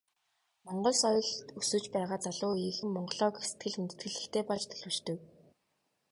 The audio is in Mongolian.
Монгол соёлд өсөж байгаа залуу үеийнхэн Монголоо гэх сэтгэл, хүндэтгэл ихтэй болж төлөвшдөг.